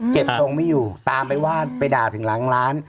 ทรงไม่อยู่ตามไปว่าไปด่าถึงหลังร้าน